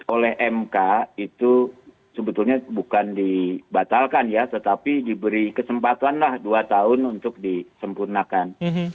oleh mk itu sebetulnya bukan dibatalkan ya tetapi diberi kesempatan lah dua tahun untuk disempurnakan